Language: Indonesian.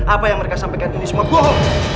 apa yang mereka sampaikan ini semua bohong